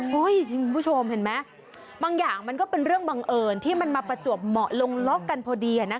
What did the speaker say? คุณผู้ชมเห็นไหมบางอย่างมันก็เป็นเรื่องบังเอิญที่มันมาประจวบเหมาะลงล็อกกันพอดี